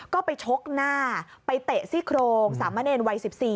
ก็ไปชกหน้าไปเตะซี่โครงสามะเนรวัย๑๔